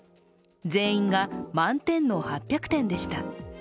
全員が満点の８００点でした。